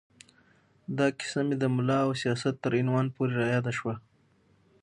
دا کیسه مې د ملا او سیاست تر عنوان پورې را یاده شوه.